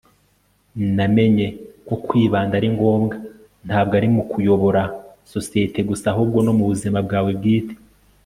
namenye ko kwibanda ari ngombwa. ntabwo ari mu kuyobora sosiyete gusa, ahubwo no mu buzima bwawe bwite